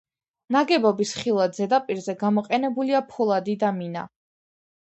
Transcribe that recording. ნაგებობის ხილვად ზედაპირზე გამოყენებულია ფოლადი და მინა.